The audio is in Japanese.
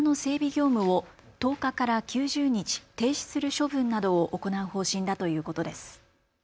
業務を１０日から９０日停止する処分などを行う方針だということです。